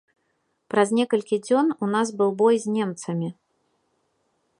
Праз некалькі дзён у нас быў бой з немцамі.